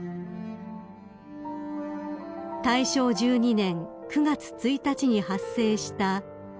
［大正１２年９月１日に発生した関東大震災］